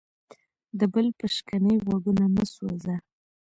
د بل په شکنې غوږونه مه سوځه.